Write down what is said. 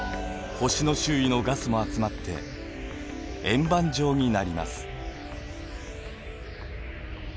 星の周囲のガスも集まって円盤状になります。